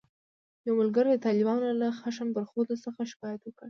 یو ملګري د طالبانو له خشن برخورد څخه شکایت وکړ.